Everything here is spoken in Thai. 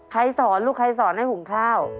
สอนลูกใครสอนให้หุงข้าว